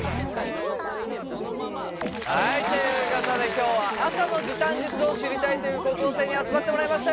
はいということで今日は朝の時短術を知りたいという高校生に集まってもらいました